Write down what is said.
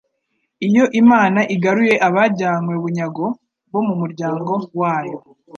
Iyo Imana igaruye abajyanywe bunyago bo mu muryango wayo